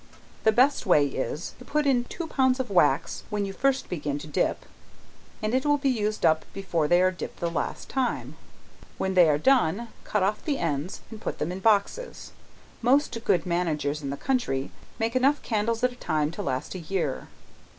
The best way is, to put in two pounds of wax, when you first begin to dip, and it will be used up before they are dipped the last time, when they are done, cut off the ends and put them in boxes. Most good managers in the country make enough candles at a time to last a year.